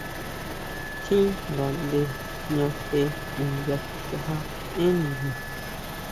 Tjín ngaʼnde jña je nya sichaja énn nima.